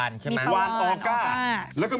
เดี๋ยวเบรกหน้า